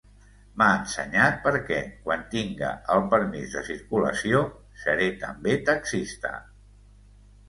M'ha ensenyat perquè, quan tinga el permís de circulació, seré també taxista.